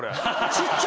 ・ちっちゃ！